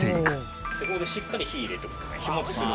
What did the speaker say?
ここでしっかり火入れておくとね日持ちする。